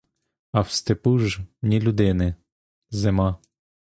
А в степу ж ні людини — зима.